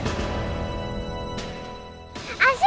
aku di ntar sekolah sama ovan